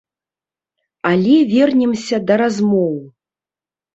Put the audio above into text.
Але, вернемся да размоў.